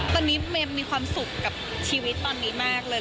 ตอนนี้เมย์มีความสุขกับชีวิตตอนนี้มากเลย